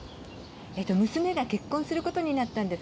娘が結婚することになったんです。